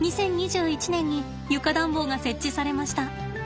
２０２１年に床暖房が設置されました。